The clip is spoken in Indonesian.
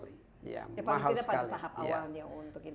ya paling tidak pada tahap awalnya untuk ini